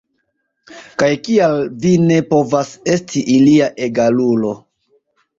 Kaj kial vi ne povas esti ilia egalulo?